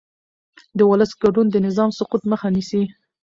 د ولس ګډون د نظام سقوط مخه نیسي